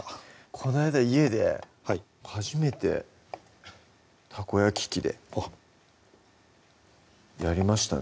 この間家で初めてたこ焼き器でやりましたね